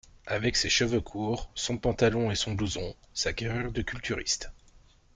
Avec ses cheveux courts, son pantalon et son blouson, sa carrure de culturiste